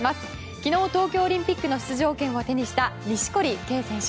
昨日、東京オリンピックの出場権を手にした錦織圭選手。